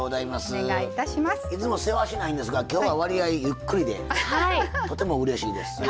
いつもせわしないんですがきょうは、割合ゆっくりでとてもうれしいです。